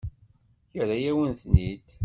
Yerra-yawen-ten-id.